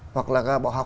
hoặc là bỏ học